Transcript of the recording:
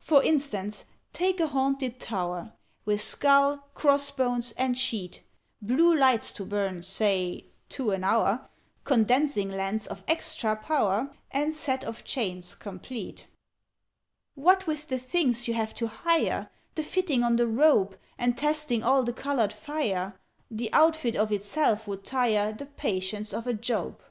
"For instance, take a Haunted Tower, With skull, cross bones, and sheet; Blue lights to burn (say) two an hour, Condensing lens of extra power, And set of chains complete: "What with the things you have to hire The fitting on the robe And testing all the coloured fire The outfit of itself would tire The patience of a Job!